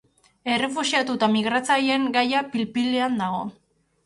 Errefuxiatu eta migratzaileen gaia pil-pilean dago.